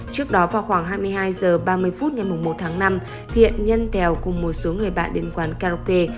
trước đó vào khoảng hai mươi hai h ba mươi phút ngày một tháng năm thiện nhân tèo cùng một số người bạn đến quán karaoke